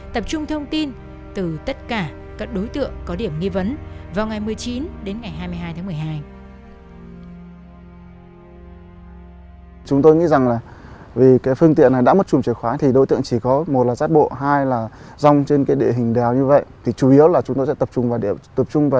tập trung thông tin từ tất cả các đối tượng có điểm nghi vấn vào ngày một mươi chín đến ngày hai mươi hai tháng một mươi hai